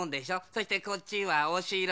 そしてこっちはおしろ。